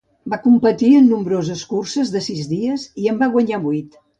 Va competir en nombroses curses de sis dies i en va guanyar vuit.